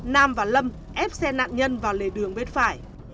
nam và lâm ép xe nạn nhân vào lề đường vết phải